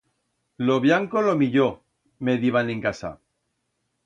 Lo bllanco lo millor, me diban en casa.